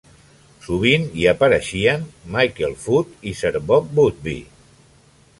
Sovint hi apareixien Michael Foot i Sir Bob Boothby.